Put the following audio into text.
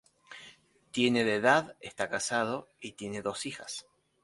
Tiene de edad, está casado y tiene dos hijas.